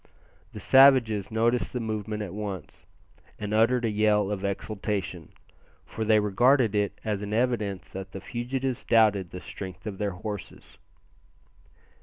The savages noticed the movement at once, and uttered a yell of exultation, for they regarded it as an evidence that the fugitives doubted the strength of their horses.